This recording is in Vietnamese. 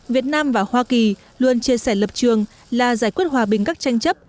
việt nam và hoa kỳ luôn chia sẻ lập trường là giải quyết hòa bình các tranh chấp